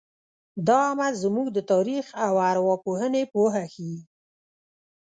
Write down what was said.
دا عمل زموږ د تاریخ او ارواپوهنې پوهه ښیي.